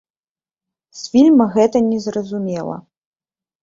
З фільма гэта не зразумела.